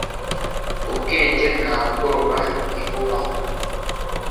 Ubwenge nta bwoba ntibubaho